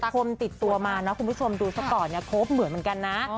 คมติดตัวมานะคุณผู้ชมดูซะก่อนเนี่ยครบเหมือนเหมือนกันนะ